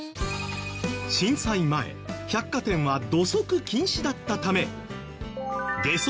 震災前百貨店は土足禁止だったため下足